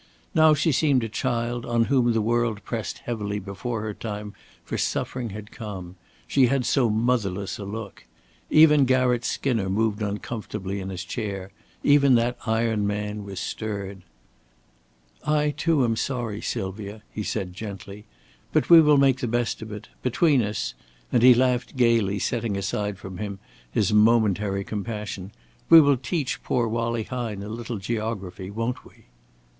Now she seemed a child on whom the world pressed heavily before her time for suffering had come; she had so motherless a look. Even Garratt Skinner moved uncomfortably in his chair; even that iron man was stirred. "I, too, am sorry, Sylvia," he said, gently; "but we will make the best of it. Between us" and he laughed gaily, setting aside from him his momentary compassion "we will teach poor Wallie Hine a little geography, won't we?"